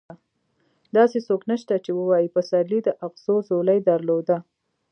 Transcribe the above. داسې څوک نشته چې ووايي پسرلي د اغزو ځولۍ درلوده.